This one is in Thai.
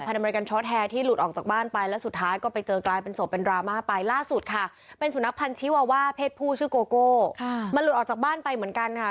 เพศผู้ชื่อโกโกค่ะค่ะมันหลุดออกจากบ้านไปเหมือนกันค่ะ